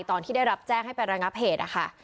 ตอนที่ได้รับแจ้งให้ไประงับเหตุนะคะ